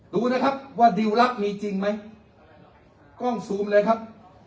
ดูนะครับว่าดิวรักมีจริงไหมกล้องซูมเลยครับ